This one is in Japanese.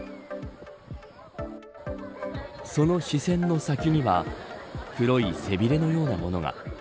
その視線の先には黒い背びれのようなものが。